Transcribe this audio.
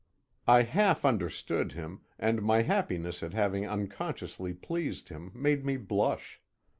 I half understood him, and my happiness at having unconsciously pleased him made me blush.